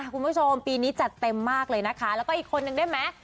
คุณผู้ชมปีนี้จัดเต็มมากเลยนะคะแล้วก็อีกคนนึงได้ไหม